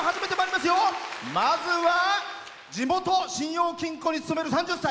まずは地元信用金庫に勤める３０歳。